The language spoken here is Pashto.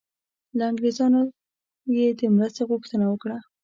له انګریزانو یې د مرستې غوښتنه وکړه.